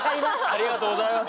ありがとうございます。